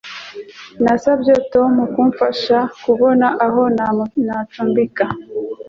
Nasabye Tom kumfasha kubona aho nacumbika.